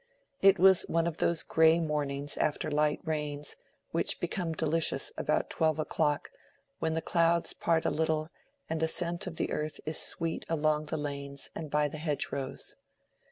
It was one of those gray mornings after light rains, which become delicious about twelve o'clock, when the clouds part a little, and the scent of the earth is sweet along the lanes and by the hedgerows.